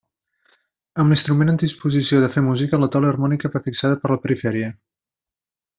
Amb l'instrument en disposició de fer música, la taula harmònica va fixada per la perifèria.